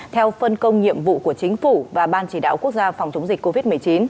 theo phân công nhiệm vụ của chính phủ và ban chỉ đạo quốc gia phòng chống dịch covid một mươi chín